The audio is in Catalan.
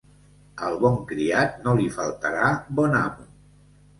Al bon criat no li faltarà bon amo.